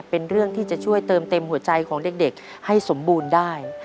เป็นเรื่องที่จะช่วยเติมเต็มหัวใจของเด็กให้สมบูรณ์ได้